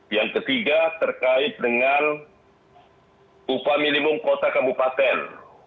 yang ketiga terkait dengan upah minimum kota kabupaten